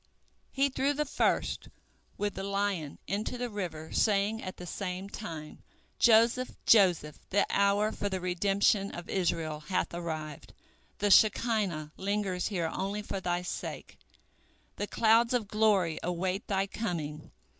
He threw the first, with the lion, into the river, saying at the same time, "Joseph, Joseph, the hour for the redemption of Israel hath arrived, the Shekinah lingers here only for thy sake, the clouds of glory await thy coming.